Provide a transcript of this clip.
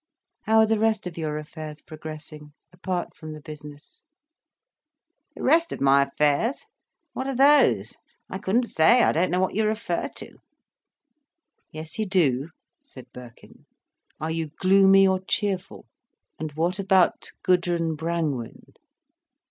How are the rest of your affairs progressing, apart from the business?" "The rest of my affairs? What are those? I couldn't say; I don't know what you refer to." "Yes, you do," said Birkin. "Are you gloomy or cheerful? And what about Gudrun Brangwen?"